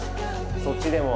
そっちでも。